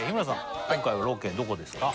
今回はロケどこですか？